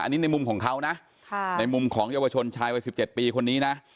อันนี้ในมุมของเขานะในมุมของเยาวชนชายวัย๑๗ปีคนนี้นะ